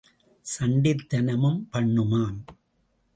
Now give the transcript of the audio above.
சண்டித் தனமும் பண்ணுமாம்.